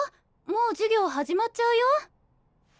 もう授業始まっちゃうよ。